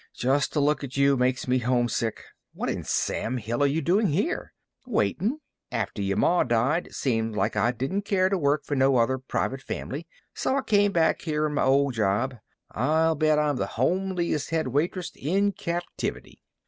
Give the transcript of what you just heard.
Just to look at you makes me homesick. What in Sam Hill are you doing here?" "Waitin'. After yer ma died, seemed like I didn't care t' work fer no other privit fam'ly, so I came back here on my old job. I'll bet I'm the homeliest head waitress in captivity."